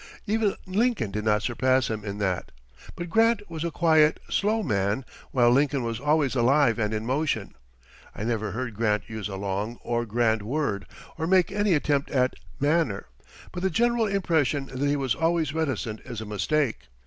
Even Lincoln did not surpass him in that: but Grant was a quiet, slow man while Lincoln was always alive and in motion. I never heard Grant use a long or grand word, or make any attempt at "manner," but the general impression that he was always reticent is a mistake.